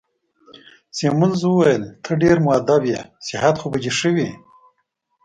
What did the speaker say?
سیمونز وویل: ته ډېر مودب يې، صحت خو به دي ښه وي؟